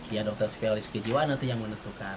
ya dokter spesialis kejiwaan nanti yang menentukan